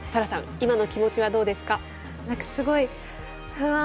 今の気持ちはどうですか？